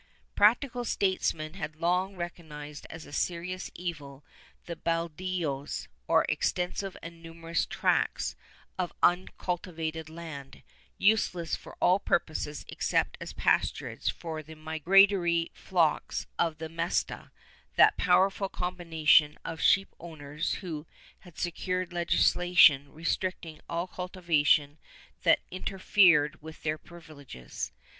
Practical statesmen had long recognized as a serious evil the haldios, or extensive and numerous tracts of uncultivated land, useless for all purposes except as pasturage for the migratory flocks of the Alesta, that powerful combination of sheep owners who had secured legislation restricting all cultivation that inter fered with their privileges.